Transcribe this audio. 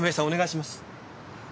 お願いします。